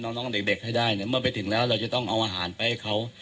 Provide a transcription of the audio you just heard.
น้องเด็กให้ได้เนี่ยเมื่อไปถึงแล้วเราจะต้องเอาอาหารไปให้เขา